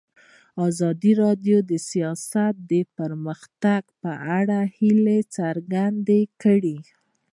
ازادي راډیو د سیاست د پرمختګ په اړه هیله څرګنده کړې.